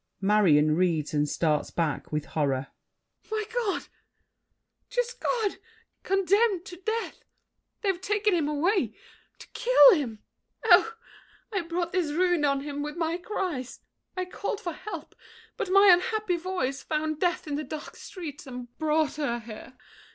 MARION (reads, and starts back with horror). My God! Just God! Condemned to death! They've taken him away. To kill him! Oh, I brought this ruin on him with my cries! I called for help, but my unhappy voice Found death in the dark streets and brought her here.